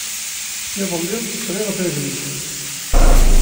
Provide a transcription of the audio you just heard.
Iḍelli, sɣiɣ-d adlis.